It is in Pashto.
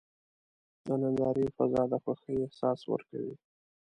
د نندارې فضا د خوښۍ احساس ورکوي.